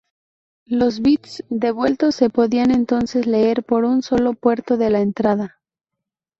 Los bits devueltos se podían entonces leer por un solo puerto de la entrada.